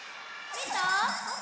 みた？